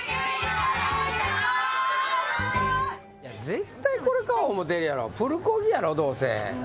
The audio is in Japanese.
絶対これ買おう思てるやろプルコギやろどうせ。